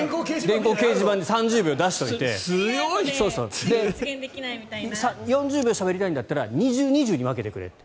電光掲示板で３０秒出しておいて４０秒しゃべりたいんだったら２０、２０に分けてくれと。